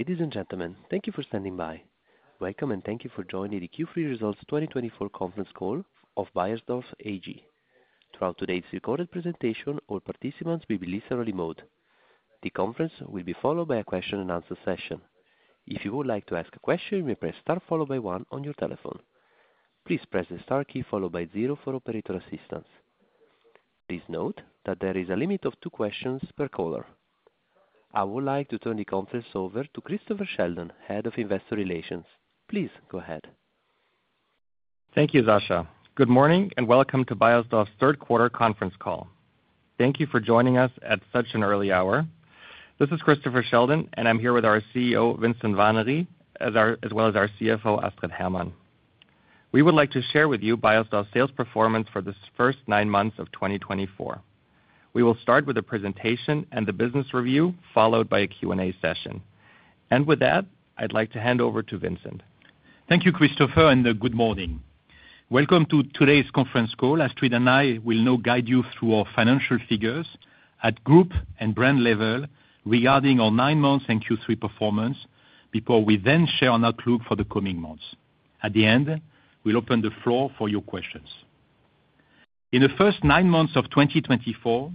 Ladies and gentlemen, thank you for standing by. Welcome, and thank you for joining the Q3 Results 2024 Conference Call of Beiersdorf AG. Throughout today's recorded presentation, all participants will be in listen-only mode. The conference will be followed by a question and answer session. If you would like to ask a question, you may press Star followed by One on your telephone. Please press the Star key followed by Zero for operator assistance. Please note that there is a limit of two questions per caller. I would like to turn the conference over to Christopher Sheldon, Head of Investor Relations. Please go ahead. Thank you, Sasha. Good morning, and welcome to Beiersdorf's third quarter conference call. Thank you for joining us at such an early hour. This is Christopher Sheldon, and I'm here with our CEO, Vincent Warnery, as well as our CFO, Astrid Hermann. We would like to share with you Beiersdorf's sales performance for this first nine months of twenty twenty-four. We will start with a presentation and the business review, followed by a Q&A session. And with that, I'd like to hand over to Vincent. Thank you, Christopher, and good morning. Welcome to today's conference call. Astrid and I will now guide you through our financial figures at group and brand level regarding our nine months and Q3 performance, before we then share our outlook for the coming months. At the end, we'll open the floor for your questions. In the first nine months of 2024,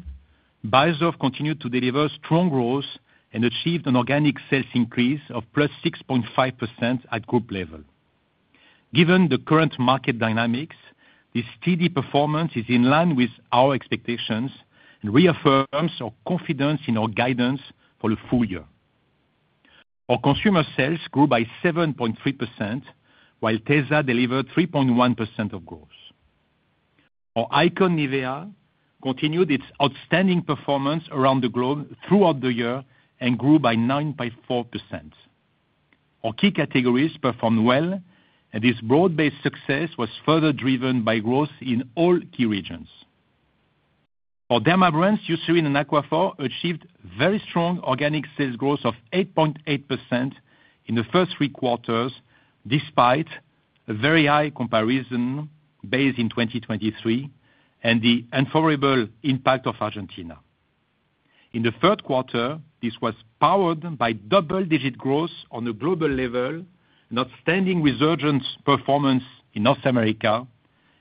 Beiersdorf continued to deliver strong growth and achieved an organic sales increase of +6.5% at group level. Given the current market dynamics, this steady performance is in line with our expectations and reaffirms our confidence in our guidance for the full year. Our consumer sales grew by 7.3%, while Tesa delivered 3.1% of growth. Our icon, Nivea, continued its outstanding performance around the globe throughout the year and grew by 9.4%. Our key categories performed well, and this broad-based success was further driven by growth in all key regions. Our Derma brands, Eucerin and Aquaphor, achieved very strong organic sales growth of 8.8% in the first three quarters, despite a very high comparison base in 2023 and the unfavorable impact of Argentina. In the third quarter, this was powered by double-digit growth on a global level, an outstanding resurgent performance in North America,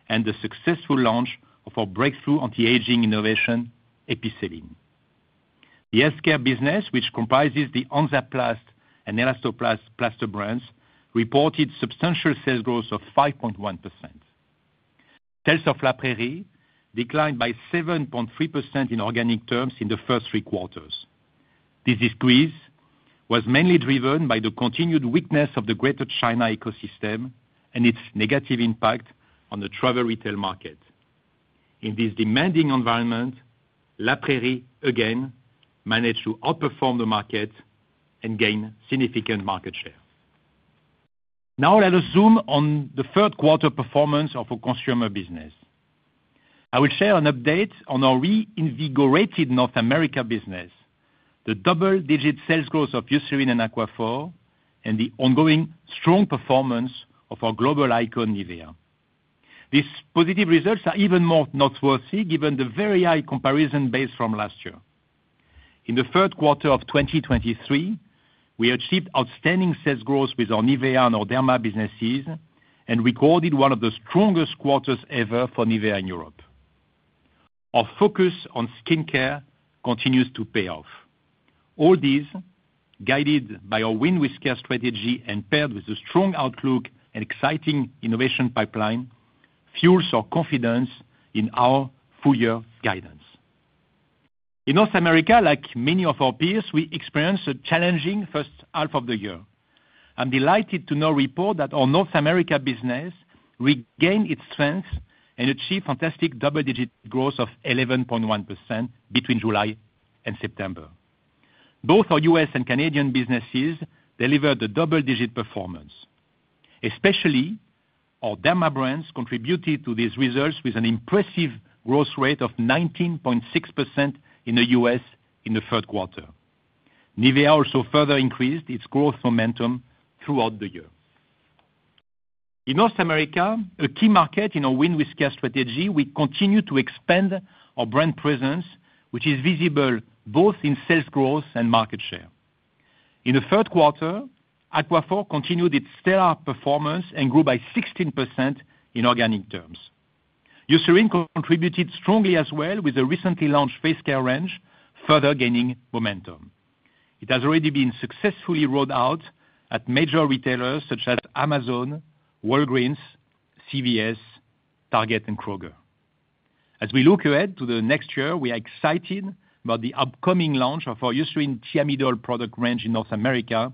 and the successful launch of our breakthrough anti-aging innovation, Epicelline. The healthcare business, which comprises the Hansaplast and Elastoplast plaster brands, reported substantial sales growth of 5.1%. Sales of La Prairie declined by 7.3% in organic terms in the first three quarters. This decrease was mainly driven by the continued weakness of the Greater China ecosystem and its negative impact on the travel retail market. In this demanding environment, La Prairie again managed to outperform the market and gain significant market share. Now, let us zoom on the third quarter performance of our consumer business. I will share an update on our reinvigorated North America business, the double-digit sales growth of Eucerin and Aquaphor, and the ongoing strong performance of our global icon, Nivea. These positive results are even more noteworthy, given the very high comparison base from last year. In the third quarter of twenty twenty-three, we achieved outstanding sales growth with our Nivea and our Derma businesses, and recorded one of the strongest quarters ever for Nivea in Europe. Our focus on skincare continues to pay off. All these, guided by our Win with Care strategy and paired with a strong outlook and exciting innovation pipeline, fuels our confidence in our full-year guidance. In North America, like many of our peers, we experienced a challenging first half of the year. I'm delighted to now report that our North America business regained its strength and achieved fantastic double-digit growth of 11.1% between July and September. Both our U.S. and Canadian businesses delivered a double-digit performance, especially our Derma brands contributed to these results with an impressive growth rate of 19.6% in the U.S. in the third quarter. Nivea also further increased its growth momentum throughout the year. In North America, a key market in our Win with Care strategy, we continue to expand our brand presence, which is visible both in sales growth and market share. In the third quarter, Aquaphor continued its stellar performance and grew by 16% in organic terms. Eucerin contributed strongly as well, with a recently launched face care range, further gaining momentum. It has already been successfully rolled out at major retailers such as Amazon, Walgreens, CVS, Target, and Kroger. As we look ahead to the next year, we are excited about the upcoming launch of our Eucerin Thiamidol product range in North America,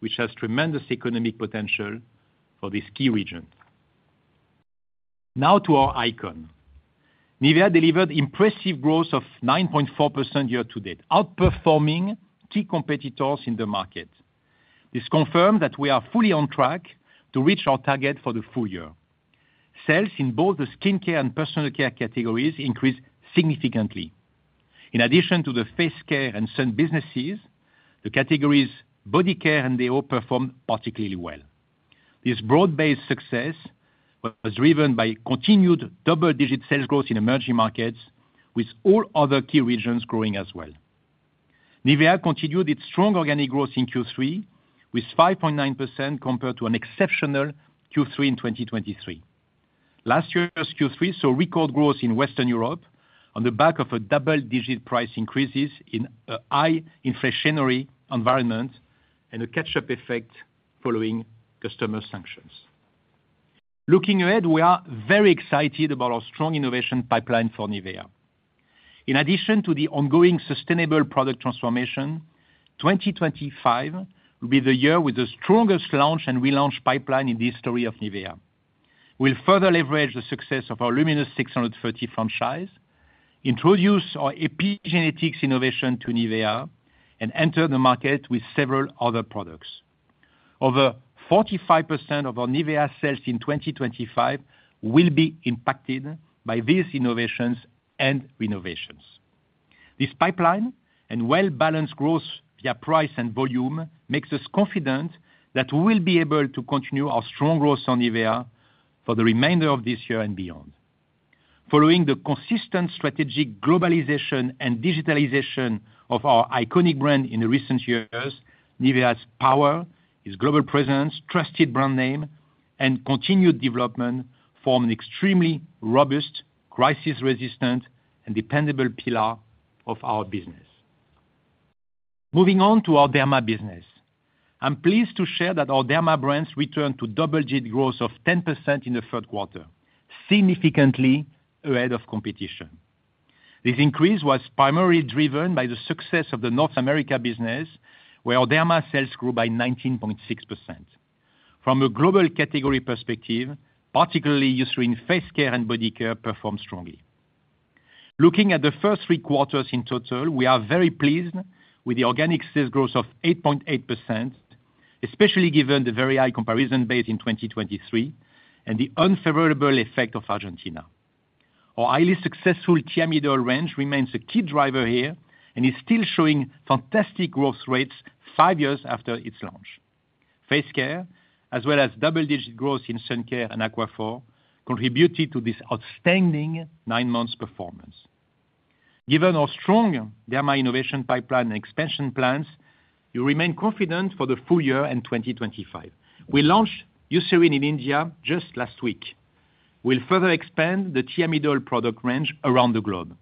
which has tremendous economic potential for this key region. Now to our icon. Nivea delivered impressive growth of 9.4% year-to-date, outperforming key competitors in the market. This confirms that we are fully on track to reach our target for the full year. Sales in both the skincare and personal care categories increased significantly. In addition to the face care and sun businesses, the categories body care and deo performed particularly well.... This broad-based success was driven by continued double-digit sales growth in emerging markets, with all other key regions growing as well. Nivea continued its strong organic growth in Q3, with 5.9% compared to an exceptional Q3 in 2023. Last year's Q3 saw record growth in Western Europe on the back of a double-digit price increases in a high inflationary environment and a catch-up effect following customer sanctions. Looking ahead, we are very excited about our strong innovation pipeline for Nivea. In addition to the ongoing sustainable product transformation, 2025 will be the year with the strongest launch and relaunch pipeline in the history of Nivea. We'll further leverage the success of our Luminous630 franchise, introduce our epigenetics innovation to Nivea, and enter the market with several other products. Over 45% of our Nivea sales in 2025 will be impacted by these innovations and renovations. This pipeline and well-balanced growth via price and volume makes us confident that we'll be able to continue our strong growth on Nivea for the remainder of this year and beyond. Following the consistent strategic globalization and digitalization of our iconic brand in the recent years, Nivea's power, its global presence, trusted brand name, and continued development form an extremely robust, crisis-resistant, and dependable pillar of our business. Moving on to our Derma business. I'm pleased to share that our Derma brands returned to double-digit growth of 10% in the third quarter, significantly ahead of competition. This increase was primarily driven by the success of the North America business, where Derma sales grew by 19.6%. From a global category perspective, particularly Eucerin face care and body care performed strongly. Looking at the first three quarters in total, we are very pleased with the organic sales growth of 8.8%, especially given the very high comparison base in 2023, and the unfavorable effect of Argentina. Our highly successful Thiamidol range remains a key driver here, and is still showing fantastic growth rates five years after its launch. Face care, as well as double-digit growth in sun care and Aquaphor, contributed to this outstanding nine months performance. Given our strong Derma innovation pipeline and expansion plans, we remain confident for the full year and 2025. We launched Eucerin in India just last week. We'll further expand the Thiamidol product range around the globe.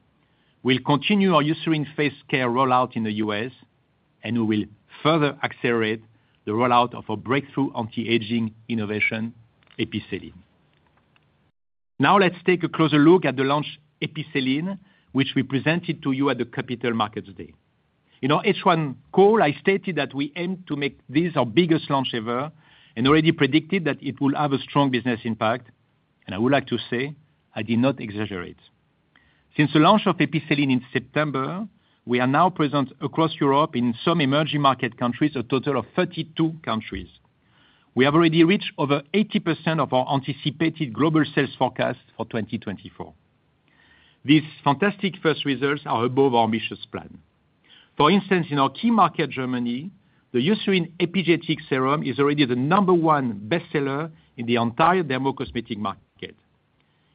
We'll continue our Eucerin face care rollout in the U.S., and we will further accelerate the rollout of our breakthrough anti-aging innovation, Epicelline. Now, let's take a closer look at the launch Epicelline, which we presented to you at the Capital Markets Day. In our H1 call, I stated that we aim to make this our biggest launch ever, and already predicted that it will have a strong business impact, and I would like to say, I did not exaggerate. Since the launch of Epicelline in September, we are now present across Europe in some emerging market countries, a total of 32 countries. We have already reached over 80% of our anticipated global sales forecast for 2024. These fantastic first results are above our ambitious plan. For instance, in our key market, Germany, the Eucerin Epigenetic Serum is already the number one bestseller in the entire dermocosmetic market.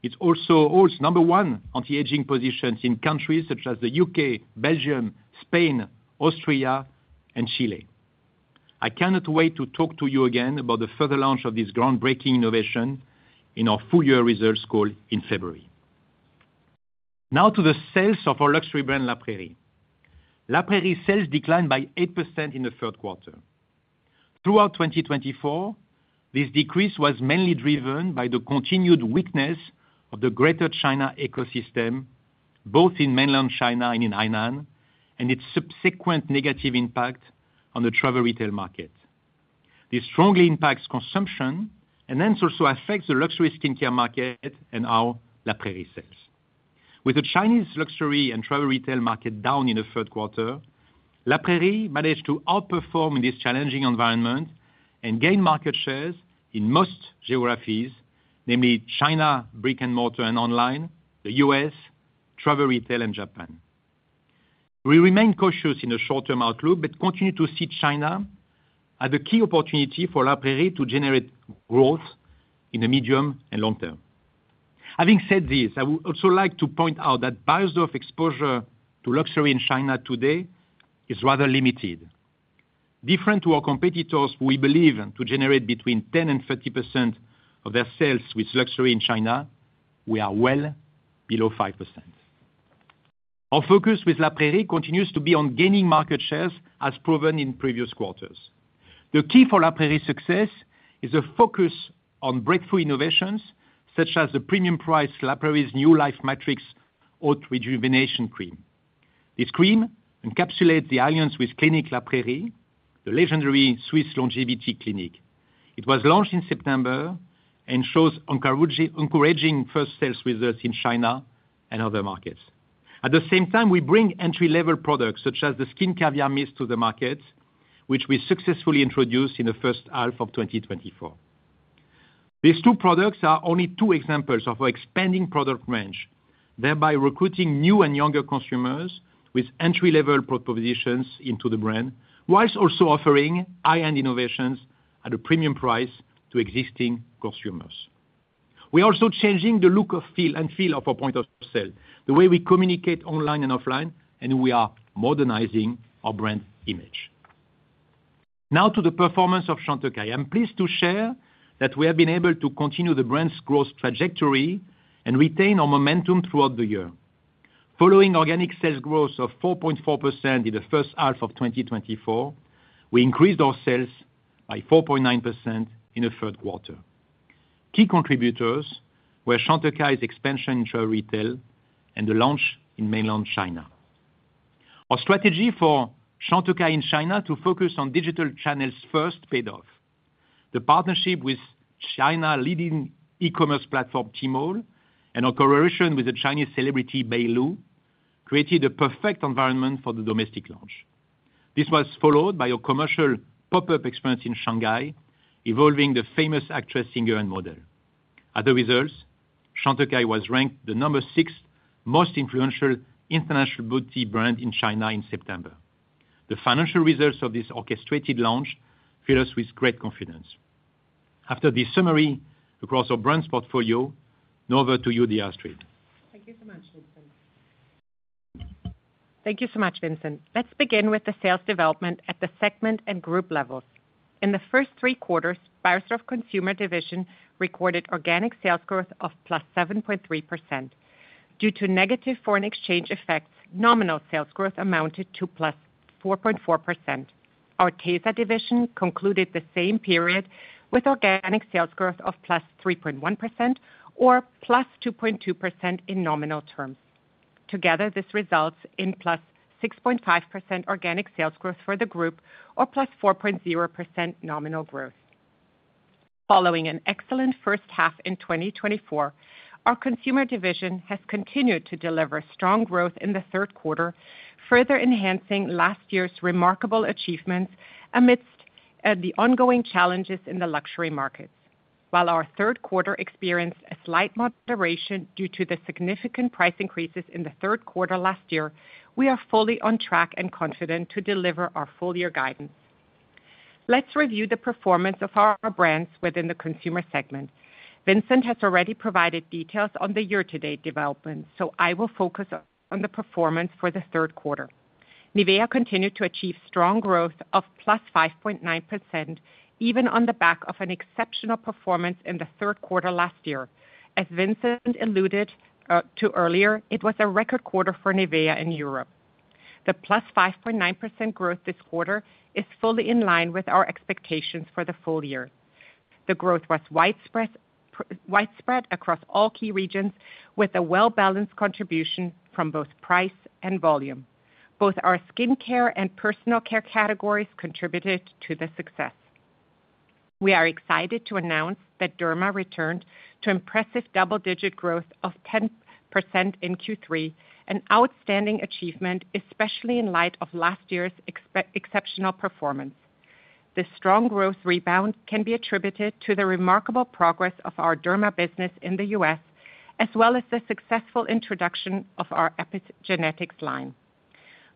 It also holds number one anti-aging positions in countries such as the U.K., Belgium, Spain, Austria, and Chile. I cannot wait to talk to you again about the further launch of this groundbreaking innovation in our full year results call in February. Now to the sales of our luxury brand, La Prairie. La Prairie sales declined by 8% in the third quarter. Throughout 2024, this decrease was mainly driven by the continued weakness of the Greater China ecosystem, both in mainland China and in Hainan, and its subsequent negative impact on the travel retail market. This strongly impacts consumption and then also affects the luxury skincare market and our La Prairie sales. With the Chinese luxury and travel retail market down in the third quarter, La Prairie managed to outperform in this challenging environment and gain market shares in most geographies, namely China, brick-and-mortar and online, the U.S., travel retail, and Japan. We remain cautious in the short-term outlook, but continue to see China as a key opportunity for La Prairie to generate growth in the medium and long term. Having said this, I would also like to point out that Beiersdorf exposure to luxury in China today is rather limited. Different to our competitors, we believe, and to generate between 10% and 30% of their sales with luxury in China, we are well below 5%. Our focus with La Prairie continues to be on gaining market shares, as proven in previous quarters. The key for La Prairie's success is a focus on breakthrough innovations, such as the premium-priced La Prairie's new Life Matrix Haute Rejuvenation Cream. This cream encapsulates the alliance with Clinique La Prairie, the legendary Swiss longevity clinic. It was launched in September and shows encouraging first sales with us in China and other markets. At the same time, we bring entry-level products, such as the Skin Caviar Mist to the market, which we successfully introduced in the first half of 2024. These two products are only two examples of our expanding product range, thereby recruiting new and younger consumers with entry-level propositions into the brand, while also offering high-end innovations at a premium price to existing consumers. We are also changing the look and feel of our point of sale, the way we communicate online and offline, and we are modernizing our brand image. Now to the performance of Chantecaille. I'm pleased to share that we have been able to continue the brand's growth trajectory and retain our momentum throughout the year. Following organic sales growth of 4.4% in the first half of 2024, we increased our sales by 4.9% in the third quarter. Key contributors were Chantecaille's expansion into retail and the launch in mainland China. Our strategy for Chantecaille in China to focus on digital channels first paid off. The partnership with China's leading e-commerce platform, Tmall, and our collaboration with the Chinese celebrity, Bai Lu, created a perfect environment for the domestic launch. This was followed by a commercial pop-up experience in Shanghai, involving the famous actress, singer, and model. Other results, Chantecaille was ranked number six most influential international beauty brand in China in September. The financial results of this orchestrated launch fill us with great confidence. After this summary across our brands portfolio, now over to you, Astrid. Thank you so much, Vincent. Let's begin with the sales development at the segment and group levels. In the first three quarters, Beiersdorf Consumer Division recorded organic sales growth of +7.3%. Due to negative foreign exchange effects, nominal sales growth amounted to +4.4%. Our Tesa division concluded the same period with organic sales growth of +3.1% or +2.2% in nominal terms. Together, this results in +6.5% organic sales growth for the group or +4.0% nominal growth. Following an excellent first half in 2024, our consumer division has continued to deliver strong growth in the third quarter, further enhancing last year's remarkable achievements amidst the ongoing challenges in the luxury markets. While our third quarter experienced a slight moderation due to the significant price increases in the third quarter last year, we are fully on track and confident to deliver our full year guidance. Let's review the performance of our brands within the consumer segment. Vincent has already provided details on the year-to-date development, so I will focus on the performance for the third quarter. Nivea continued to achieve strong growth of +5.9%, even on the back of an exceptional performance in the third quarter last year. As Vincent alluded to earlier, it was a record quarter for Nivea in Europe. The +5.9% growth this quarter is fully in line with our expectations for the full year. The growth was widespread across all key regions, with a well-balanced contribution from both price and volume. Both our skincare and personal care categories contributed to the success. We are excited to announce that Derma returned to impressive double-digit growth of 10% in Q3, an outstanding achievement, especially in light of last year's exceptional performance. This strong growth rebound can be attributed to the remarkable progress of our Derma business in the U.S., as well as the successful introduction of our epigenetics line.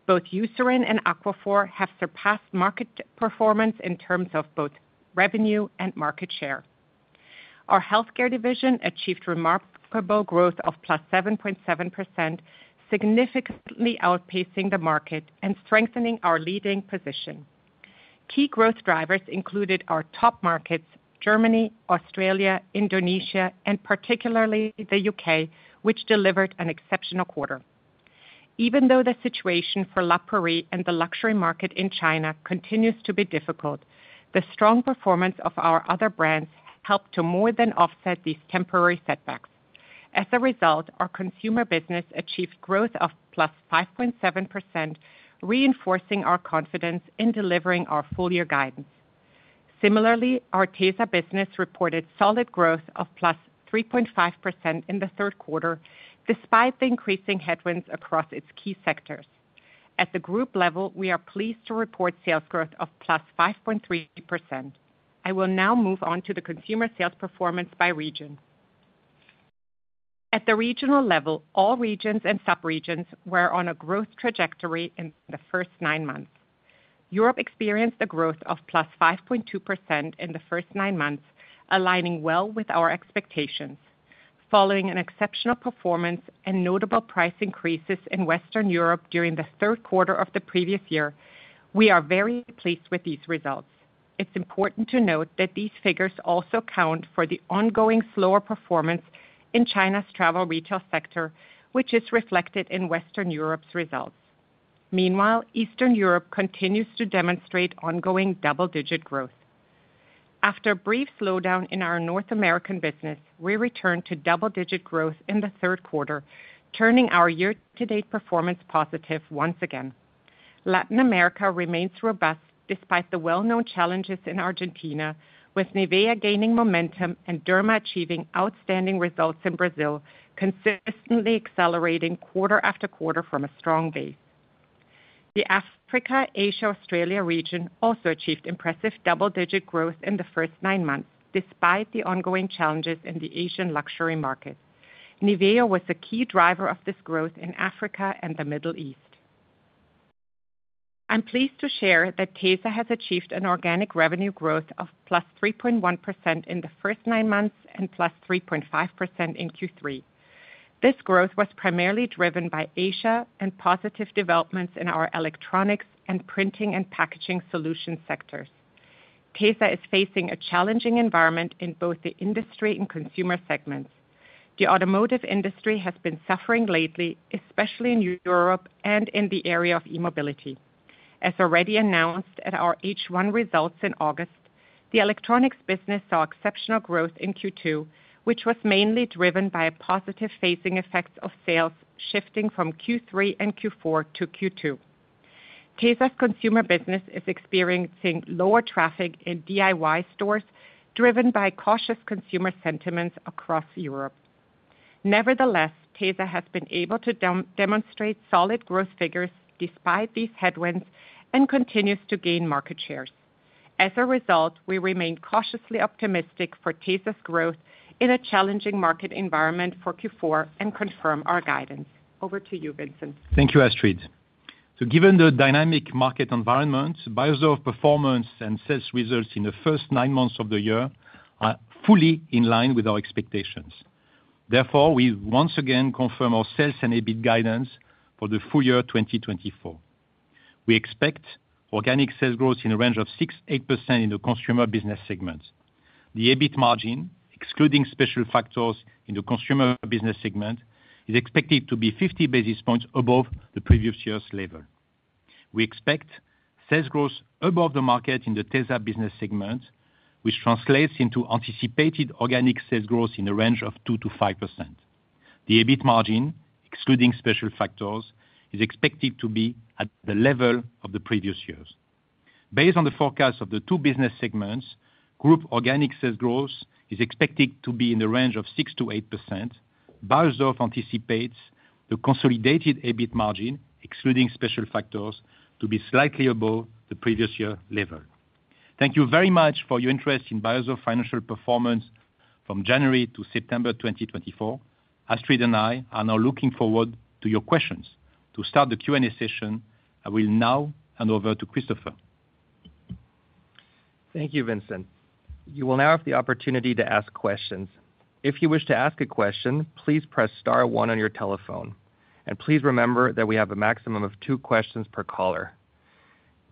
Both Eucerin and Aquaphor have surpassed market performance in terms of both revenue and market share. Our healthcare division achieved remarkable growth of +7.7%, significantly outpacing the market and strengthening our leading position. Key growth drivers included our top markets, Germany, Australia, Indonesia, and particularly the U.K., which delivered an exceptional quarter. Even though the situation for La Prairie and the luxury market in China continues to be difficult, the strong performance of our other brands helped to more than offset these temporary setbacks. As a result, our consumer business achieved growth of +5.7%, reinforcing our confidence in delivering our full year guidance. Similarly, our Tesa business reported solid growth of +3.5% in the third quarter, despite the increasing headwinds across its key sectors. At the group level, we are pleased to report sales growth of +5.3%. I will now move on to the consumer sales performance by region. At the regional level, all regions and sub-regions were on a growth trajectory in the first nine months. Europe experienced a growth of +5.2% in the first nine months, aligning well with our expectations. Following an exceptional performance and notable price increases in Western Europe during the third quarter of the previous year, we are very pleased with these results. It's important to note that these figures also account for the ongoing slower performance in China's travel retail sector, which is reflected in Western Europe's results. Meanwhile, Eastern Europe continues to demonstrate ongoing double-digit growth. After a brief slowdown in our North American business, we returned to double-digit growth in the third quarter, turning our year-to-date performance positive once again. Latin America remains robust despite the well-known challenges in Argentina, with Nivea gaining momentum and Derma achieving outstanding results in Brazil, consistently accelerating quarter after quarter from a strong base. The Africa, Asia, Australia region also achieved impressive double-digit growth in the first nine months, despite the ongoing challenges in the Asian luxury market. Nivea was a key driver of this growth in Africa and the Middle East. I'm pleased to share that Tesa has achieved an organic revenue growth of +3.1% in the first nine months, and +3.5% in Q3. This growth was primarily driven by Asia and positive developments in our electronics and printing and packaging solution sectors. Tesa is facing a challenging environment in both the industry and consumer segments. The automotive industry has been suffering lately, especially in Europe and in the area of e-mobility. As already announced at our H1 results in August, the electronics business saw exceptional growth in Q2, which was mainly driven by a positive phasing effect of sales shifting from Q3 and Q4 to Q2. Tesa's consumer business is experiencing lower traffic in DIY stores, driven by cautious consumer sentiments across Europe. Nevertheless, Tesa has been able to demonstrate solid growth figures despite these headwinds and continues to gain market shares. As a result, we remain cautiously optimistic for Tesa's growth in a challenging market environment for Q4, and confirm our guidance. Over to you, Vincent. Thank you, Astrid. Given the dynamic market environment, Beiersdorf's performance and sales results in the first nine months of the year are fully in line with our expectations. Therefore, we once again confirm our sales and EBIT guidance for the full year 2024. We expect organic sales growth in a range of 6%-8% in the consumer business segment. The EBIT margin, excluding special factors in the consumer business segment, is expected to be 50 basis points above the previous year's level. We expect sales growth above the market in the Tesa business segment, which translates into anticipated organic sales growth in the range of 2%-5%. The EBIT margin, excluding special factors, is expected to be at the level of the previous years. Based on the forecast of the two business segments, group organic sales growth is expected to be in the range of 6%-8%. Beiersdorf anticipates the consolidated EBIT margin, excluding special factors, to be slightly above the previous year level. Thank you very much for your interest in Beiersdorf's financial performance from January to September 2024. Astrid and I are now looking forward to your questions. To start the Q&A session, I will now hand over to Christopher. Thank you, Vincent. You will now have the opportunity to ask questions. If you wish to ask a question, please press star one on your telephone, and please remember that we have a maximum of two questions per caller.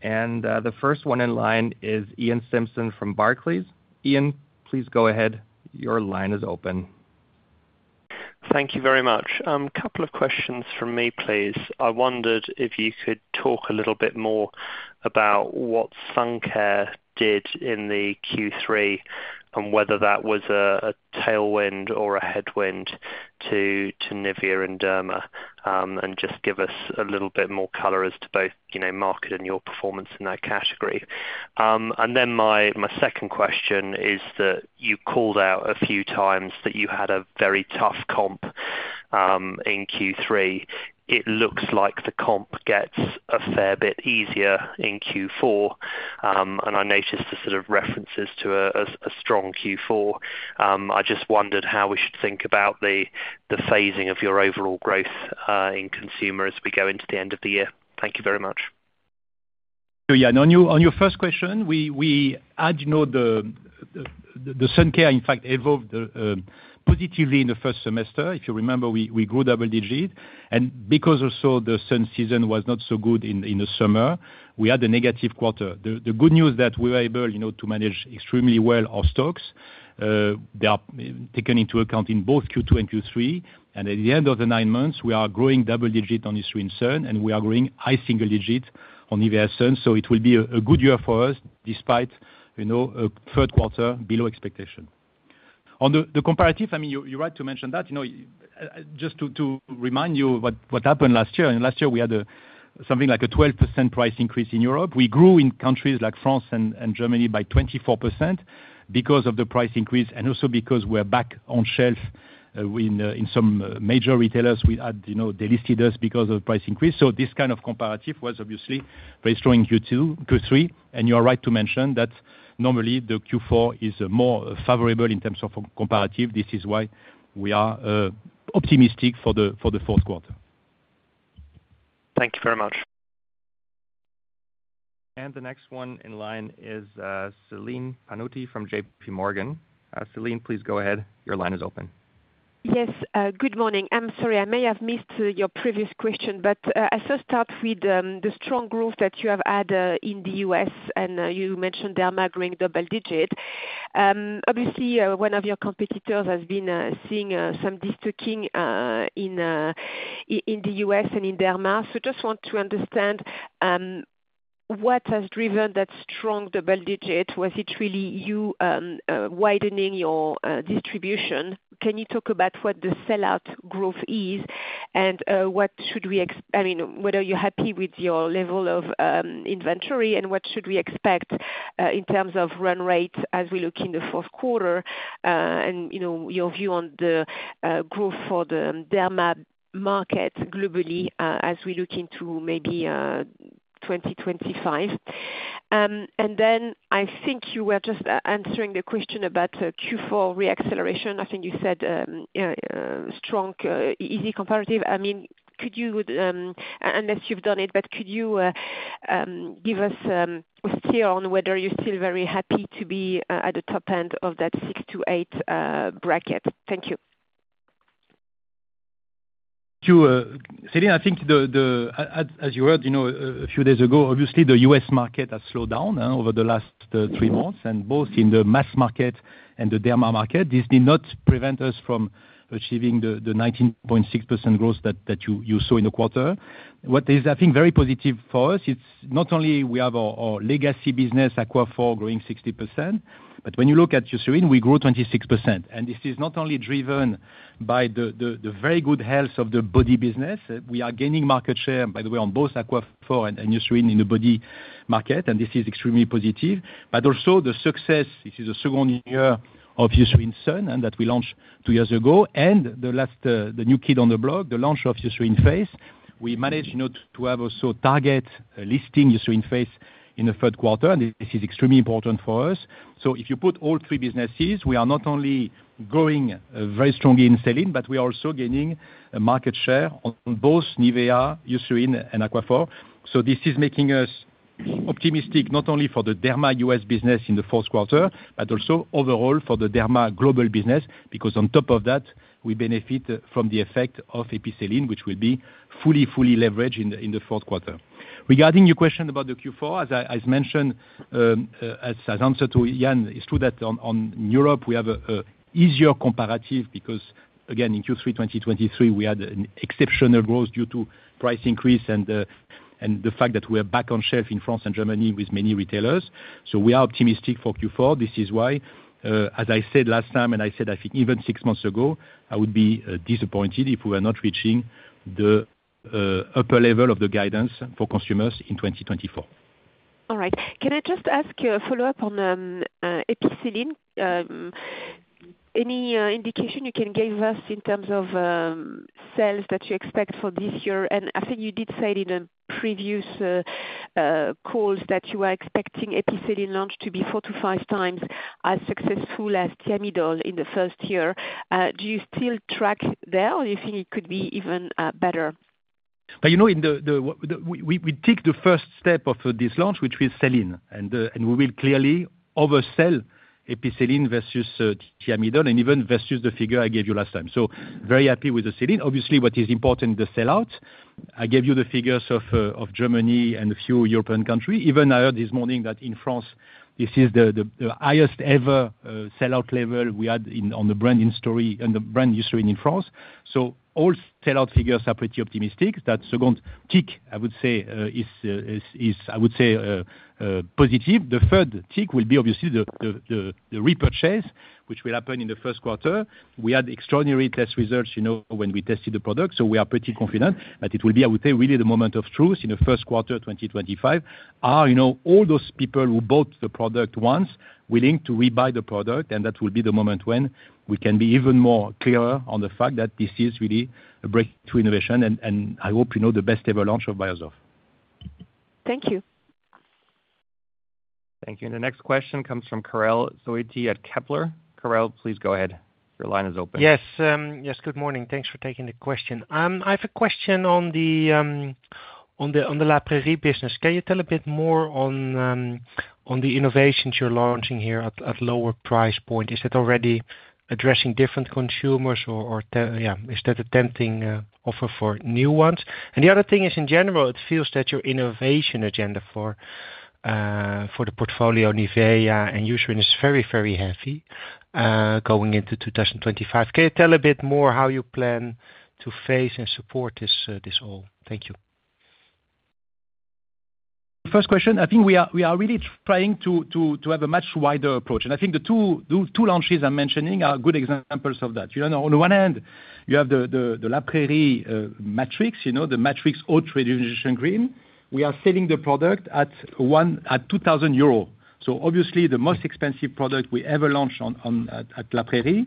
And, the first one in line is Iain Simpson from Barclays. Ian, please go ahead. Your line is open. Thank you very much. Couple of questions from me, please. I wondered if you could talk a little bit more about what sun care did in the Q3, and whether that was a tailwind or a headwind to Nivea and Derma. And just give us a little bit more color as to both, you know, market and your performance in that category. And then my second question is that you called out a few times that you had a very tough comp in Q3. It looks like the comp gets a fair bit easier in Q4, and I noticed the sort of references to a strong Q4. I just wondered how we should think about the phasing of your overall growth in consumer as we go into the end of the year. Thank you very much. Yeah, on your first question, as you know, the sun care in fact evolved positively in the first semester. If you remember, we grew double digit, and because also the sun season was not so good in the summer, we had a negative quarter. The good news that we were able, you know, to manage extremely well our stocks, they are taken into account in both Q2 and Q3, and at the end of the nine months, we are growing double digit on Eucerin Sun, and we are growing high single digit on Nivea Sun. So it will be a good year for us, despite, you know, a third quarter below expectation. On the comparative, I mean, you're right to mention that, you know, just to remind you what happened last year, and last year we had something like a 12% price increase in Europe. We grew in countries like France and Germany by 24% because of the price increase, and also because we're back on shelf in some major retailers. We had, you know, they listed us because of price increase. So this kind of comparative was obviously very strong in Q2, Q3, and you are right to mention that normally the Q4 is more favorable in terms of comparative. This is why we are optimistic for the fourth quarter. Thank you very much. The next one in line is, Celine Pannuti from JPMorgan. Celine, please go ahead. Your line is open. Yes. Good morning. I'm sorry. I may have missed your previous question, but I first start with the strong growth that you have had in the U.S., and you mentioned Derma growing double digit. Obviously, one of your competitors has been seeing some de-stocking in the U.S. and in Derma. So just want to understand what has driven that strong double digit? Was it really you widening your distribution? Can you talk about what the sellout growth is, and what should we expect, I mean, whether you're happy with your level of inventory, and what should we expect in terms of run rate as we look in the fourth quarter? And you know, your view on the growth for the Derma market globally, as we look into maybe twenty twenty-five?... And then I think you were just answering the question about Q4 re-acceleration. I think you said strong easy comparative. I mean, could you, unless you've done it, but could you give us a steer on whether you're still very happy to be at the top end of that six to eight bracket? Thank you. Sure. Celine, I think as, as you heard, you know, a few days ago, obviously the U.S. market has slowed down over the last three months, and both in the mass market and the derma market. This did not prevent us from achieving the 19.6% growth that you saw in the quarter. What is, I think, very positive for us, it's not only we have our legacy business, Aquaphor, growing 60%, but when you look at Eucerin, we grew 26%. This is not only driven by the very good health of the body business. We are gaining market share, by the way, on both Aquaphor and Eucerin in the body market, and this is extremely positive. But also the success, this is the second year of Eucerin Sun, and that we launched two years ago. And the last, the new kid on the block, the launch of Eucerin Face. We managed, you know, to have also Target listing Eucerin Face in the third quarter, and this is extremely important for us. So if you put all three businesses, we are not only growing very strongly in selling, but we are also gaining market share on both Nivea, Eucerin, and Aquaphor. So this is making us optimistic, not only for the Derma U.S. business in the fourth quarter, but also overall for the Derma global business, because on top of that, we benefit from the effect of Epicelline, which will be fully leveraged in the fourth quarter. Regarding your question about the Q4, as mentioned, as an answer to Iain, it's true that on Europe, we have a easier comparative, because, again, in Q3/2023, we had an exceptional growth due to price increase and the fact that we are back on shelf in France and Germany with many retailers. We are optimistic for Q4. This is why, as I said last time, and I said, I think even six months ago, I would be disappointed if we were not reaching the upper level of the guidance for consumers in twenty twenty-four. All right. Can I just ask a follow-up on Epicelline? Any indication you can give us in terms of sales that you expect for this year? And I think you did say it in a previous calls that you are expecting Epicelline launch to be four to five times as successful as Thiamidol in the first year. Do you still track there, or you think it could be even better? But you know, in the, we take the first step of this launch, which is selling. And and we will clearly oversell Epicelline versus Thiamidol, and even versus the figure I gave you last time. So very happy with the selling. Obviously, what is important, the sell-out. I gave you the figures of, of Germany and a few European countries. Even I heard this morning that in France, this is the highest ever sell-out level we had in the brand's history in France. So all sell-out figures are pretty optimistic. That second tick, I would say, is positive. The third tick will be obviously the repurchase, which will happen in the first quarter. We had extraordinary test results, you know, when we tested the product, so we are pretty confident that it will be, I would say, really the moment of truth in the first quarter, twenty twenty-five. Are, you know, all those people who bought the product once, willing to rebuy the product? That will be the moment when we can be even more clearer on the fact that this is really a breakthrough innovation, and I hope you know the best ever launch of Eucerin. Thank you. Thank you. And the next question comes from Karel Zoete at Kepler. Karel, please go ahead. Your line is open. Yes, yes, good morning. Thanks for taking the question. I have a question on the La Prairie business. Can you tell a bit more on the innovations you're launching here at lower price point? Is that already addressing different consumers or is that a tempting offer for new ones? And the other thing is, in general, it feels that your innovation agenda for the portfolio, Nivea and Eucerin, is very, very heavy going into two thousand twenty-five. Can you tell a bit more how you plan to face and support this all? Thank you. First question, I think we are really trying to have a much wider approach, and I think the two launches I'm mentioning are good examples of that. You know, on the one hand, you have the La Prairie Matrix, you know, the Matrix Haute Rejuvenation cream. We are selling the product at 2,000 euro. So obviously the most expensive product we ever launched on at La Prairie.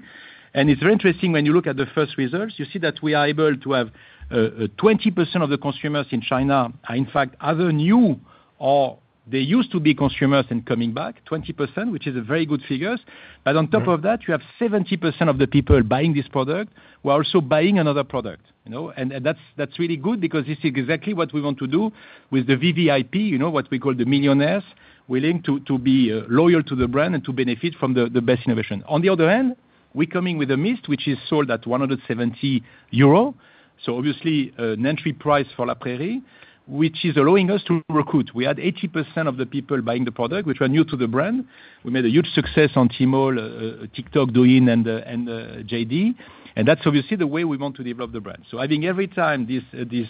And it's very interesting, when you look at the first results, you see that we are able to have 20% of the consumers in China are, in fact, either new or they used to be consumers and coming back, 20%, which is a very good figures. But on top of that, you have 70% of the people buying this product, who are also buying another product, you know? And, and that's, that's really good, because this is exactly what we want to do with the VVIP, you know, what we call the millionaires, willing to, to be loyal to the brand and to benefit from the, the best innovation. On the other hand, we're coming with a mist which is sold at 170 euro, so obviously an entry price for La Prairie, which is allowing us to recruit. We had 80% of the people buying the product which were new to the brand. We made a huge success on Tmall, TikTok, Douyin, and JD. And that's obviously the way we want to develop the brand. So I think every time this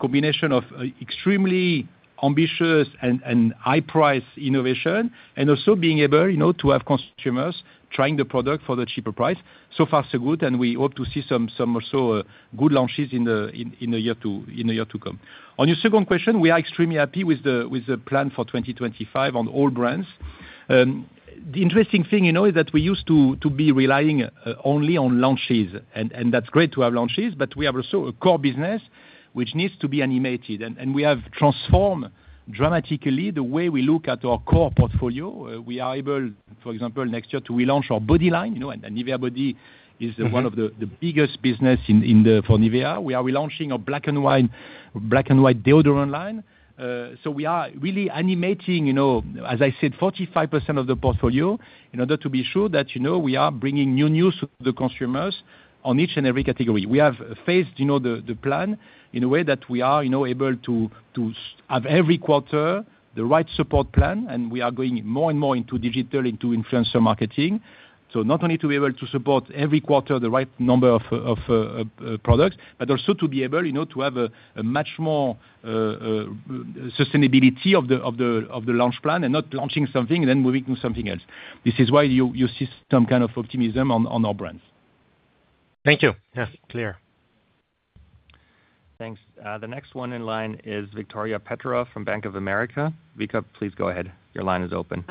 combination of extremely ambitious and high-price innovation, and also being able, you know, to have consumers trying the product for the cheaper price, so far, so good, and we hope to see some more, so good launches in the year to come. On your second question, we are extremely happy with the plan for twenty twenty-five on all brands. The interesting thing, you know, is that we used to be relying only on launches, and that's great to have launches, but we have also a core business which needs to be animated. And we have transformed dramatically the way we look at our core portfolio. We are able, for example, next year to relaunch our body line, you know, and Nivea Body is- Mm-hmm One of the biggest business in the for Nivea. We are relaunching our Black and White deodorant line. So we are really animating, you know, as I said, 45% of the portfolio, in order to be sure that, you know, we are bringing new news to the consumers on each and every category. We have shaped the plan in a way that we are, you know, able to support at every quarter the right support plan, and we are going more and more into digital, into influencer marketing. So not only to be able to support every quarter the right number of products, but also to be able, you know, to have a much more sustainability of the launch plan, and not launching something and then moving to something else. This is why you see some kind of optimism on our brands. Thank you. Yes, clear. Thanks. The next one in line is Victoria Petrova from Bank of America. Vika, please go ahead. Your line is open.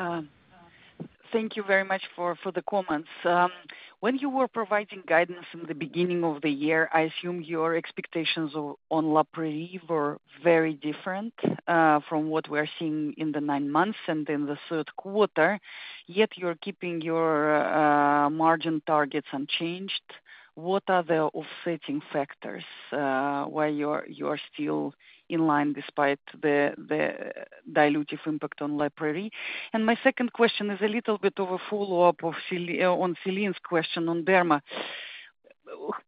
Thank you very much for the comments. When you were providing guidance in the beginning of the year, I assume your expectations on La Prairie were very different from what we're seeing in the nine months and in the third quarter, yet you're keeping your margin targets unchanged. What are the offsetting factors why you're still in line despite the dilutive impact on La Prairie? And my second question is a little bit of a follow-up of Celine on Celine's question on Derma.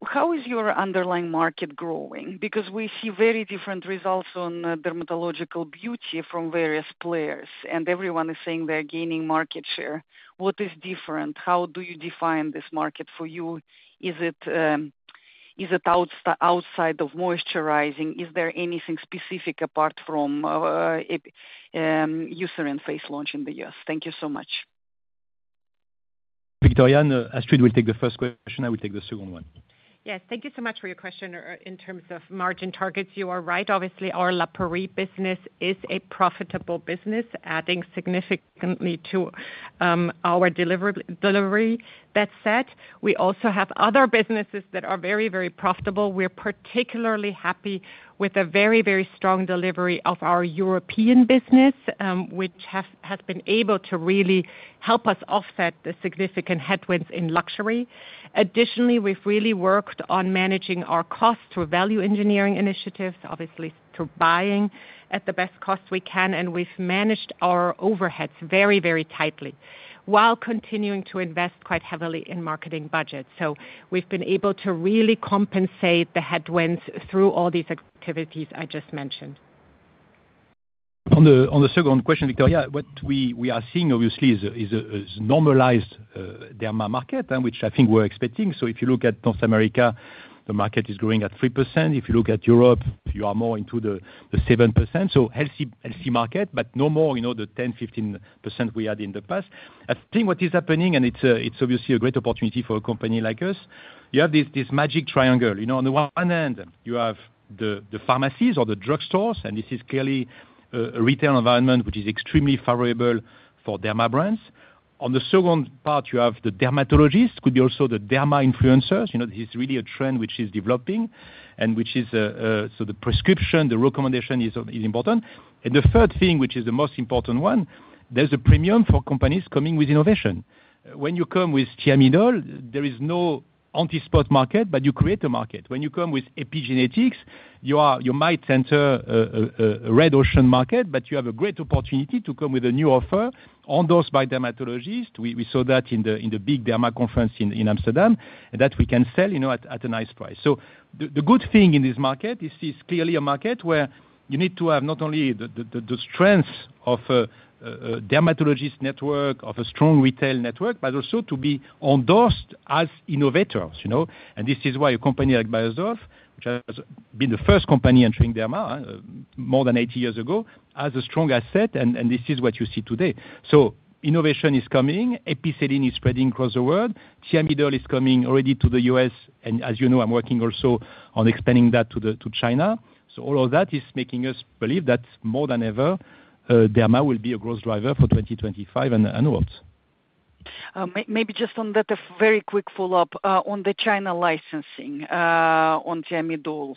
How is your underlying market growing? Because we see very different results on dermatological beauty from various players, and everyone is saying they're gaining market share. What is different? How do you define this market for you? Is it outside of moisturizing, is there anything specific apart from Eucerin Face launch in the U.S.? Thank you so much. Victoria, Astrid will take the first question. I will take the second one. Yes, thank you so much for your question. In terms of margin targets, you are right. Obviously, our La Prairie business is a profitable business, adding significantly to our delivery. That said, we also have other businesses that are very, very profitable. We're particularly happy with the very, very strong delivery of our European business, which has been able to really help us offset the significant headwinds in luxury. Additionally, we've really worked on managing our costs through value engineering initiatives, obviously through buying at the best cost we can, and we've managed our overheads very, very tightly, while continuing to invest quite heavily in marketing budgets. So we've been able to really compensate the headwinds through all these activities I just mentioned. On the second question, Victoria, what we are seeing, obviously, is a normalized Derma market, and which I think we're expecting. So if you look at North America, the market is growing at 3%. If you look at Europe, you are more into the 7%, so healthy market, but no more, you know, the 10-15% we had in the past. I think what is happening, and it's obviously a great opportunity for a company like us, you have this magic triangle. You know, on the one end, you have the pharmacies or the drugstores, and this is clearly a retail environment which is extremely favorable for Derma brands. On the second part, you have the dermatologists, could be also the Derma influencers. You know, this is really a trend which is developing and which is. So the prescription, the recommendation is important. And the third thing, which is the most important one, there's a premium for companies coming with innovation. When you come with Thiamidol, there is no anti-spot market, but you create a market. When you come with epigenetics, you might enter a red ocean market, but you have a great opportunity to come with a new offer endorsed by dermatologists. We saw that in the big Derma conference in Amsterdam, and that we can sell, you know, at a nice price. So the good thing in this market, this is clearly a market where you need to have not only the strength of a dermatologist network, of a strong retail network, but also to be endorsed as innovators, you know? And this is why a company like Beiersdorf, which has been the first company entering Derma more than eighty years ago, has a strong asset, and this is what you see today. So innovation is coming. Epicelline is spreading across the world. Thiamidol is coming already to the U.S., and as you know, I'm working also on expanding that to China. So all of that is making us believe that more than ever, Derma will be a growth driver for twenty twenty-five and onwards. Maybe just on that, a very quick follow-up. On the China licensing, on Thiamidol,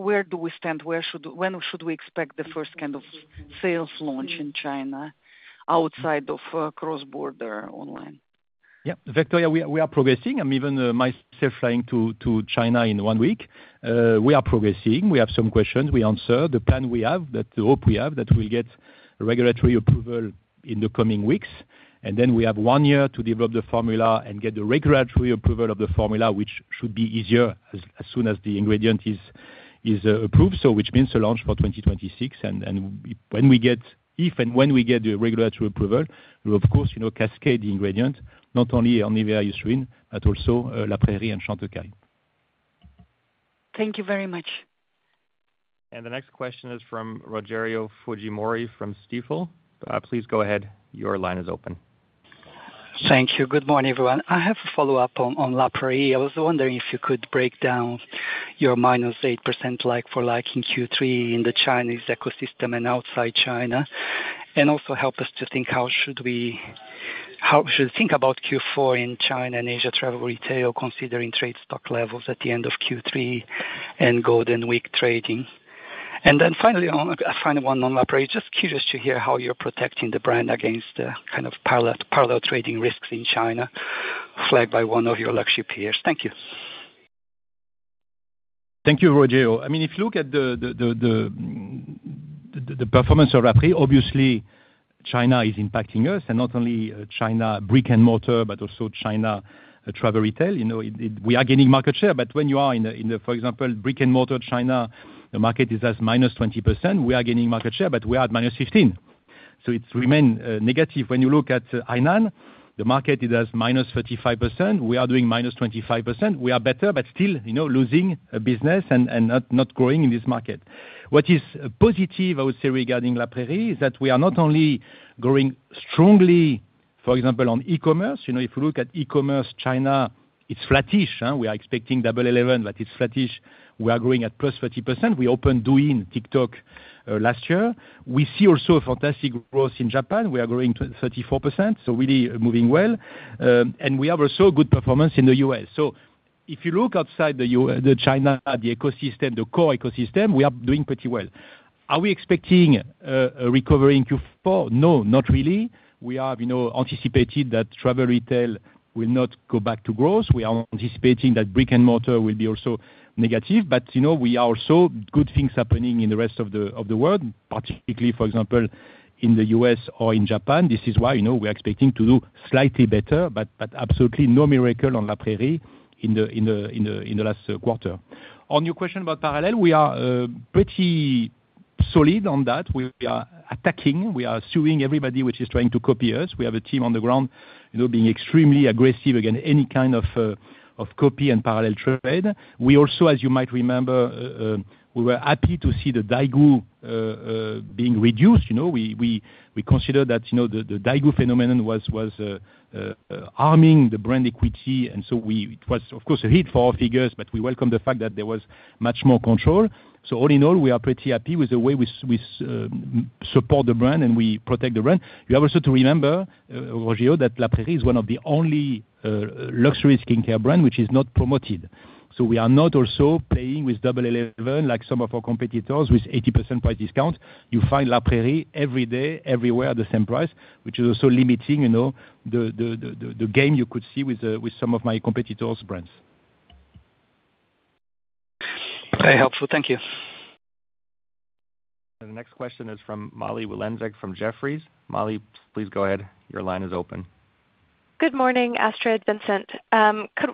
where do we stand? Where should, when should we expect the first kind of sales launch in China outside of cross-border online? Yeah, Victoria, we are progressing. I'm even myself flying to China in one week. We are progressing. We have some questions we answer. The plan we have, the hope we have, that we'll get regulatory approval in the coming weeks, and then we have one year to develop the formula and get the regulatory approval of the formula, which should be easier as soon as the ingredient is approved, so which means a launch for 2026. And when we get... If and when we get the regulatory approval, we of course, you know, cascade the ingredient, not only on Nivea Eucerin, but also La Prairie and Chantecaille. Thank you very much. The next question is from Rogerio Fujimori, from Stifel. Please go ahead, your line is open. Thank you. Good morning, everyone. I have a follow-up on La Prairie. I was wondering if you could break down your -8% like for like in Q3, in the Chinese ecosystem and outside China, and also help us to think how we should think about Q4 in China and Asia travel retail, considering trade stock levels at the end of Q3 and Golden Week trading. And then finally, final one on La Prairie, just curious to hear how you're protecting the brand against the kind of parallel trading risks in China, flagged by one of your luxury peers. Thank you. Thank you, Rogerio. I mean, if you look at the performance of La Prairie, obviously China is impacting us, and not only China brick and mortar, but also China travel retail. You know, it we are gaining market share, but when you are in the for example, brick and mortar China, the market is as -20%. We are gaining market share, but we are at -15%, so it's remain negative. When you look at Hainan, the market is as -35%. We are doing -25%. We are better, but still, you know, losing business and not growing in this market. What is positive, I would say, regarding La Prairie, is that we are not only growing strongly, for example, on e-commerce. You know, if you look at e-commerce, China, it's flattish, huh? We are expecting Double 11, but it's flattish. We are growing at +30%. We opened Douyin, TikTok last year. We see also a fantastic growth in Japan. We are growing 34%, so really moving well, and we have also good performance in the U.S. So if you look outside the China, the ecosystem, the core ecosystem, we are doing pretty well. Are we expecting a recovery in Q4? No, not really. We are, you know, anticipating that travel retail will not go back to growth. We are anticipating that brick and mortar will be also negative, but, you know, we are also good things happening in the rest of the world, particularly, for example, in the U.S. or in Japan. This is why, you know, we're expecting to do slightly better, but absolutely no miracle on La Prairie in the last quarter. On your question about parallel, we are pretty solid on that. We are attacking, we are suing everybody which is trying to copy us. We have a team on the ground, you know, being extremely aggressive against any kind of copy and parallel trade. We also, as you might remember, we were happy to see the Daigou being reduced. You know, we consider that, you know, the Daigou phenomenon was harming the brand equity, and so we-- it was, of course, a hit for our figures, but we welcome the fact that there was much more control. So all in all, we are pretty happy with the way we support the brand and we protect the brand. You have also to remember, Rogerio, that La Prairie is one of the only luxury skincare brand which is not promoted, so we are not also playing with Double 11, like some of our competitors, with 80% price discount. You find La Prairie every day, everywhere, the same price, which is also limiting, you know, the game you could see with some of my competitors' brands. Very helpful. Thank you. The next question is from Molly Wylenzek, from Jefferies. Molly, please go ahead. Your line is open. Good morning, Astrid, Vincent. Could,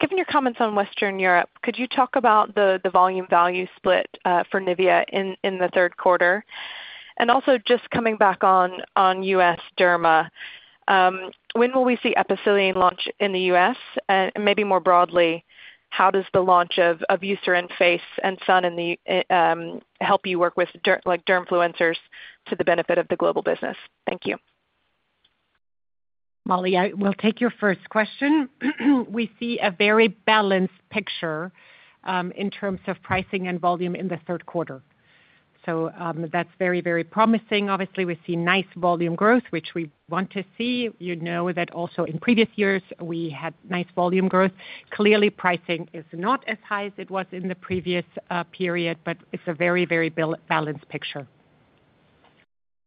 given your comments on Western Europe, could you talk about the volume-value split for Nivea in the third quarter? And also just coming back on U.S. Derma, when will we see Aquaphor launch in the U.S.? And maybe more broadly, how does the launch of Eucerin Face and Sun in the help you work with derm influencers to the benefit of the global business? Thank you. Molly, I will take your first question. We see a very balanced picture in terms of pricing and volume in the third quarter. So, that's very, very promising. Obviously, we see nice volume growth, which we want to see. You know that also in previous years, we had nice volume growth. Clearly, pricing is not as high as it was in the previous period, but it's a very, very balanced picture.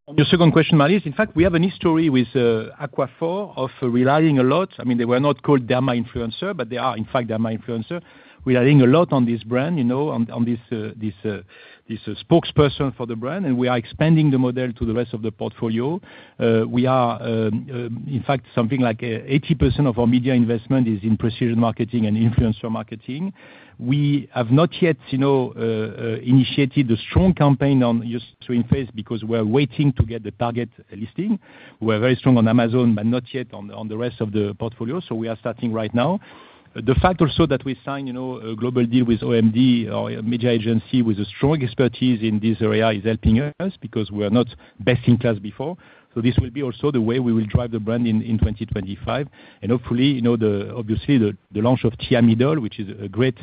On your second question, Molly, is in fact, we have a history with Aquaphor of relying a lot. I mean, they were not called derma influencer, but they are, in fact, derma influencer. We are relying a lot on this brand, you know, on this spokesperson for the brand, and we are expanding the model to the rest of the portfolio. We are, in fact, something like 80% of our media investment is in precision marketing and influencer marketing. We have not yet, you know, initiated a strong campaign on Eucerin Face because we're waiting to get the target listing. We're very strong on Amazon, but not yet on the rest of the portfolio, so we are starting right now. The fact also that we signed, you know, a global deal with OMD, our media agency, with a strong expertise in this area, is helping us, because we are not best in class before. So this will be also the way we will drive the brand in twenty twenty-five, and hopefully, you know, the, obviously, the launch of Thiamidol, which is a great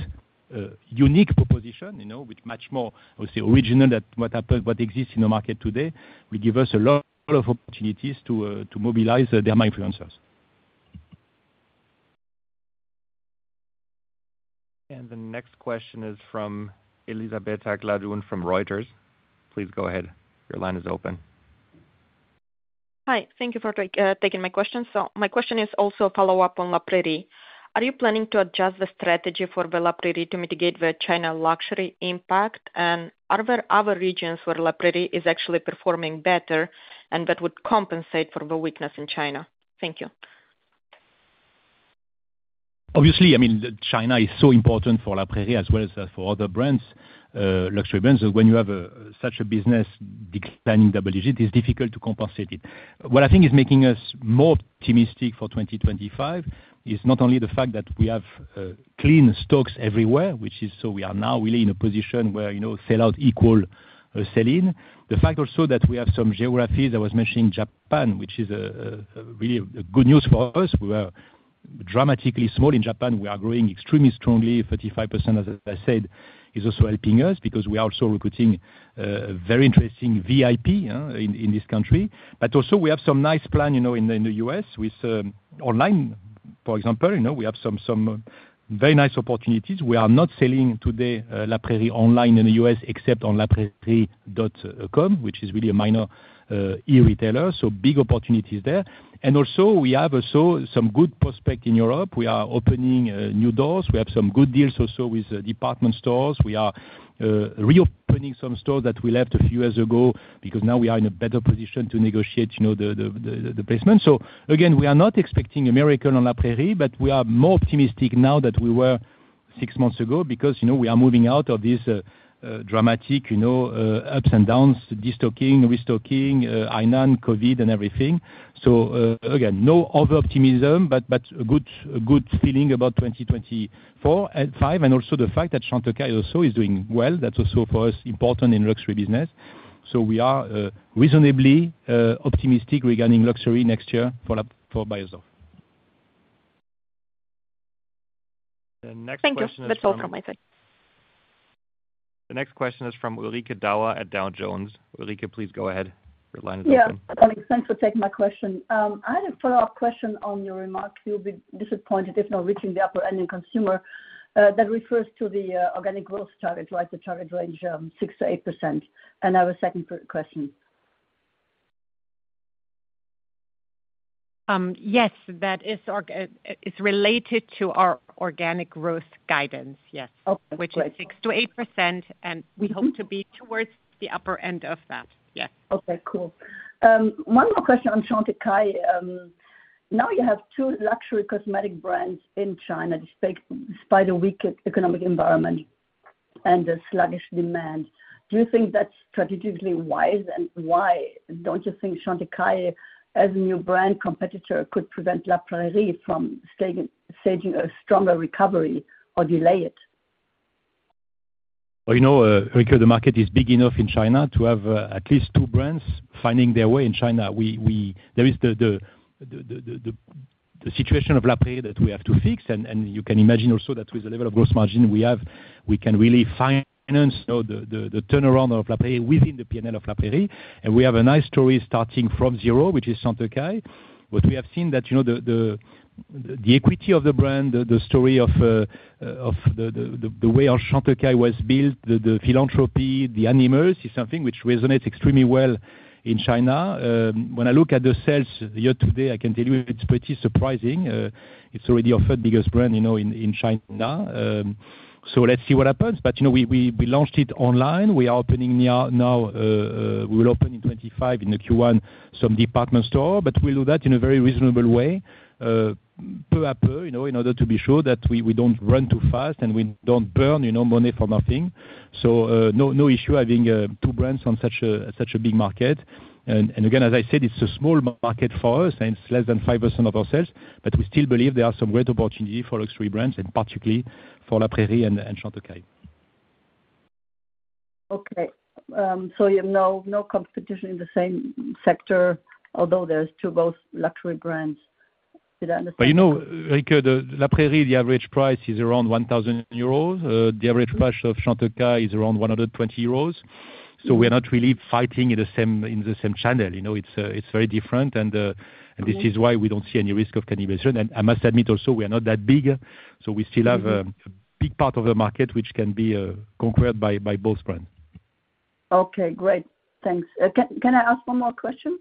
unique proposition, you know, with much more, I would say, original than what happened, what exists in the market today, will give us a lot of opportunities to mobilize the derma influencers. The next question is from Elizaveta Gladun, from Reuters. Please go ahead. Your line is open. Hi, thank you for taking my question. So my question is also a follow-up on La Prairie. Are you planning to adjust the strategy for La Prairie to mitigate the China luxury impact? And are there other regions where La Prairie is actually performing better and that would compensate for the weakness in China? Thank you. Obviously, I mean, China is so important for La Prairie, as well as for other brands, luxury brands, and when you have such a business declining double digit, it's difficult to compensate it. What I think is making us more optimistic for 2025 is not only the fact that we have clean stocks everywhere, which is. So we are now really in a position where, you know, sell out equal selling. The fact also that we have some geographies, I was mentioning Japan, which is really good news for us, we are dramatically small in Japan, we are growing extremely strongly, 35%, as I said, is also helping us because we are also recruiting very interesting VIP in this country. But also we have some nice plans, you know, in the U.S. with online, for example, you know, we have some very nice opportunities. We are not selling today La Prairie online in the U.S., except on laprairie.com, which is really a minor e-retailer, so big opportunities there. And also, we have also some good prospects in Europe. We are opening new doors. We have some good deals also with department stores. We are reopening some stores that we left a few years ago, because now we are in a better position to negotiate, you know, the placement. So again, we are not expecting a miracle on La Prairie, but we are more optimistic now than we were six months ago, because, you know, we are moving out of this dramatic, you know, ups and downs, destocking, restocking, COVID, and everything. Again, no over-optimism, but a good feeling about 2024 and 2025, and also the fact that Chantecaille also is doing well. That's also, for us, important in luxury business. We are reasonably optimistic regarding luxury next year for both of them. The next question is from- Thank you, that's all from my side. The next question is from Ulrike Dauer at Dow Jones. Ulrike, please go ahead. Your line is open. Yeah, thanks for taking my question. I had a follow-up question on your remarks. You'll be disappointed if not reaching the upper end consumer, that refers to the organic growth target, right? The target range, 6%-8%. And I have a second question. Yes, that is our. It's related to our organic growth guidance, yes. Okay, great. Which is 6%-8%, and we hope to be towards the upper end of that. Yes. Okay, cool. One more question on Chantecaille. Now you have two luxury cosmetic brands in China, despite a weak economic environment and a sluggish demand. Do you think that's strategically wise, and why? Don't you think Chantecaille, as a new brand competitor, could prevent La Prairie from staging a stronger recovery or delay it? You know, Ulrike, the market is big enough in China to have at least two brands finding their way in China. We. There is the situation of La Prairie that we have to fix, and you can imagine also that with the level of gross margin we have, we can really finance, you know, the turnaround of La Prairie within the P&L of La Prairie. And we have a nice story starting from zero, which is Chantecaille. But we have seen that, you know, the equity of the brand, the story of the way our Chantecaille was built, the philanthropy, the animals, is something which resonates extremely well in China. When I look at the sales year to date, I can tell you it's pretty surprising. It's already our third biggest brand, you know, in China. So let's see what happens. But you know, we launched it online. We are opening now. We will open in 2025, in the Q1, some department store, but we'll do that in a very reasonable way, peu a peu, you know, in order to be sure that we don't run too fast, and we don't burn, you know, money for nothing. So no, no issue having two brands on such a big market. And again, as I said, it's a small market for us, and it's less than 5% of our sales, but we still believe there are some great opportunity for luxury brands and particularly for La Prairie and Chantecaille. Okay. So you have no competition in the same sector, although there's two, both luxury brands. Did I understand? You know, Ulrike, the La Prairie, the average price is around 1,000 euros. The average price of Chantecaille is around 120 euros. So we are not really fighting in the same channel, you know? It's very different, and this is why we don't see any risk of cannibalization. And I must admit also, we are not that big, so we still have a big part of the market, which can be conquered by both brands. Okay, great. Thanks. Can I ask one more question?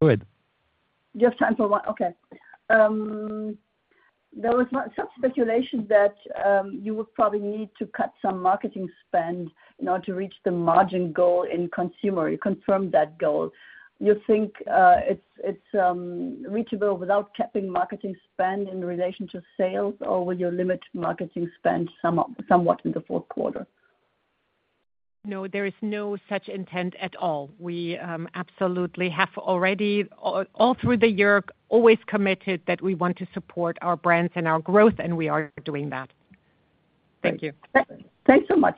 Go ahead. You have time for one? Okay. There was some speculation that you would probably need to cut some marketing spend in order to reach the margin goal in consumer. You confirmed that goal. You think it's reachable without capping marketing spend in relation to sales? Or will you limit marketing spend somewhat in the fourth quarter? No, there is no such intent at all. We, absolutely have already, all through the year, always committed that we want to support our brands and our growth, and we are doing that. Thank you. Thanks so much.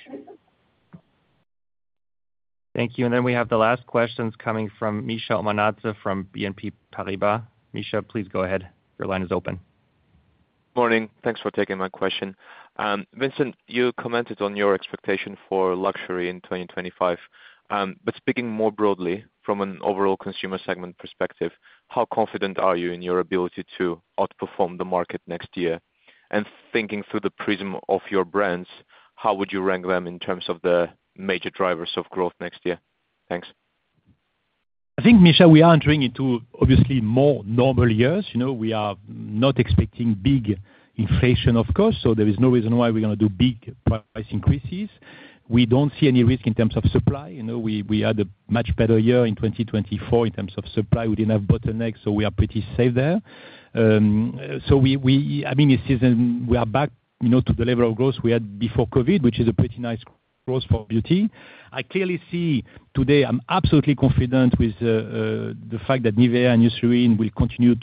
Thank you. And then we have the last questions coming from Misha Omanadze from BNP Paribas. Misha, please go ahead. Your line is open. Morning. Thanks for taking my question. Vincent, you commented on your expectation for luxury in 2025, but speaking more broadly, from an overall consumer segment perspective, how confident are you in your ability to outperform the market next year? And thinking through the prism of your brands, how would you rank them in terms of the major drivers of growth next year? Thanks. I think, Misha, we are entering into obviously more normal years. You know, we are not expecting big inflation, of course, so there is no reason why we're gonna do big price increases. We don't see any risk in terms of supply. You know, we had a much better year in twenty twenty-four in terms of supply. We didn't have bottlenecks, so we are pretty safe there. So we are back, you know, to the level of growth we had before COVID, which is a pretty nice growth for beauty. I clearly see today, I'm absolutely confident with the fact that Nivea and Eucerin will continue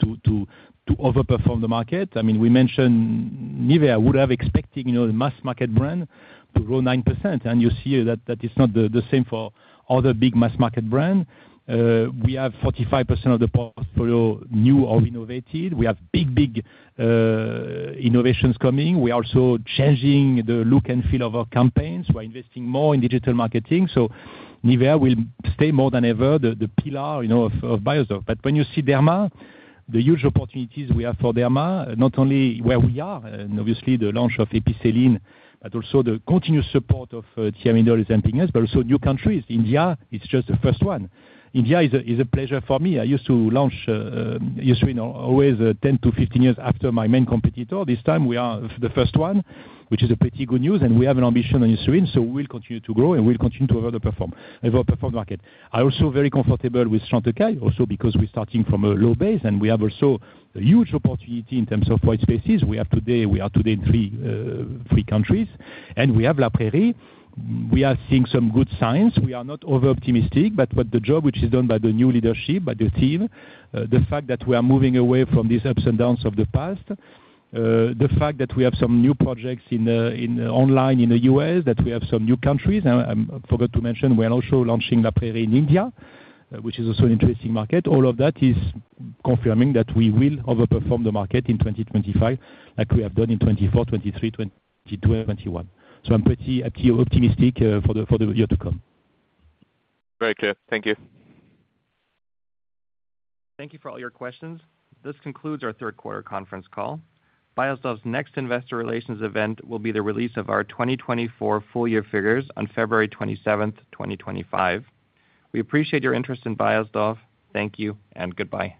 to overperform the market. I mean, we mentioned Nivea would have expecting, you know, the mass market brand to grow 9%, and you see that is not the same for other big mass market brand. We have 45% of the portfolio new or renovated. We have big, big innovations coming. We are also changing the look and feel of our campaigns. We're investing more in digital marketing, so Nivea will stay more than ever the pillar, you know, of Beiersdorf. But when you see Derma, the huge opportunities we have for Derma, not only where we are, and obviously the launch of Epicelline, but also the continuous support of Thiamidol and epigenetics, but also new countries. India is just the first one. India is a pleasure for me. I used to launch Eucerin always 10-15 years after my main competitor. This time we are the first one, which is a pretty good news, and we have an ambition on Eucerin, so we'll continue to grow and we'll continue to overperform, overperform market. I'm also very comfortable with Chantecaille, also because we're starting from a low base, and we have also a huge opportunity in terms of white spaces. We are today, we are today in three countries, and we have La Prairie. We are seeing some good signs. We are not over-optimistic, but the job which is done by the new leadership, by the team, the fact that we are moving away from these ups and downs of the past, the fact that we have some new projects in online in the U.S., that we have some new countries. I forgot to mention, we are also launching La Prairie in India, which is also an interesting market. All of that is confirming that we will overperform the market in 2025, like we have done in 2024, 2023, 2022, and 2021, so I'm pretty optimistic for the year to come. Very clear. Thank you. Thank you for all your questions. This concludes our third quarter conference call. Beiersdorf's next investor relations event will be the release of our twenty twenty-four full year figures on February twenty-seventh, twenty twenty-five. We appreciate your interest in Beiersdorf. Thank you and goodbye.